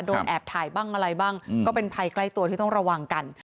แอบถ่ายบ้างอะไรบ้างก็เป็นภัยใกล้ตัวที่ต้องระวังกัน